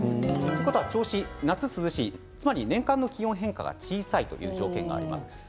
夏、銚子は涼しい年間の気温変化が小さいということがあります。